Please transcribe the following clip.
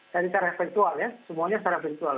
jadi secara eventual ya semuanya secara eventual